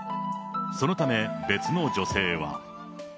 そのため、別の女性は。